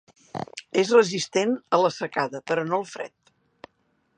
És resistent a la secada però no al fred.